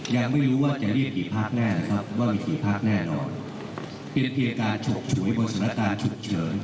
ยังไม่รู้ว่าจะเรียกกี่ภาพแน่นะครับ